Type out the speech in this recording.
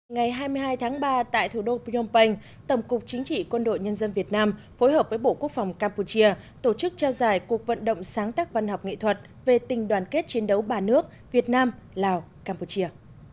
ngày hai mươi hai tháng ba tại thủ đô phnom penh tổng cục chính trị quân đội nhân dân việt nam phối hợp với bộ quốc phòng campuchia tổ chức trao giải cuộc vận động sáng tác văn học nghệ thuật về tình đoàn kết chiến đấu ba nước việt nam lào campuchia